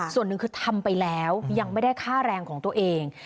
ส่วนหนึ่งคือทำไปแล้วยังไม่ได้ค่าแรงของตัวเอง